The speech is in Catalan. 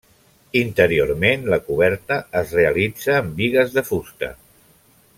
Interiorment la coberta es realitza amb bigues de fusta.